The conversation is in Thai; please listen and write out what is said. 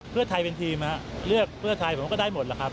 เพื่อไทยเป็นทีมเลือกเพื่อไทยผมก็ได้หมดแล้วครับ